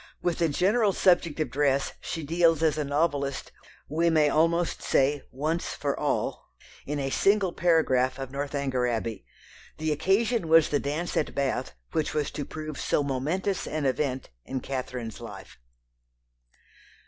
With the general subject of dress she deals as a novelist, we may almost say once for all, in a single paragraph of Northanger Abbey. The occasion was the dance at Bath which was to prove so momentous an event in Catherine's life.